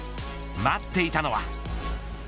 待っていたのは。